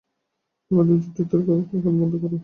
তোমার যুক্তিতর্ক এখন বন্ধ করো।